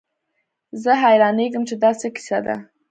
زه حيرانېږم چې دا څه کيسه ده.